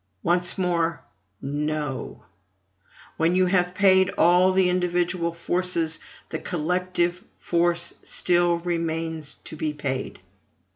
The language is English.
Once more, no; when you have paid all the individual forces, the collective force still remains to be paid.